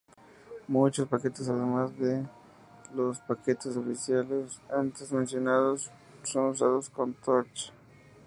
Muchos paquetes además the los paquetes oficiales antes mencionados son usados con Torch.